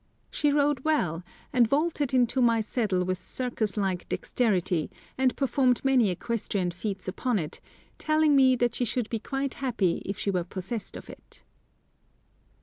She rode well, and vaulted into my saddle with circus like dexterity, and performed many equestrian feats upon it, telling me that she should be quite happy if she were possessed of it.